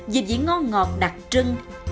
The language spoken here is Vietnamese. dịp vị ngon ngọt đặc trưng